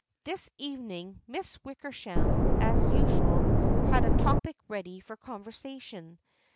This evening Miss Wickersham as usual had a topic ready for conversation.